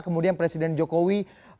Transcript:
kemudian presiden jokowi